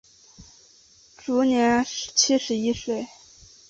卒年七十一岁。